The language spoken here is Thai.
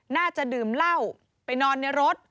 น่าจะดื่มเหล้าไปนอนในรถ